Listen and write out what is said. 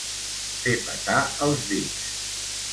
Fer petar els dits.